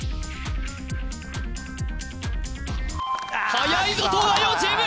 はやいぞ東大王チーム！